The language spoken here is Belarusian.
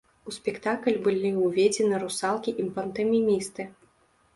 У спектакль былі ўведзены русалкі і пантамімісты.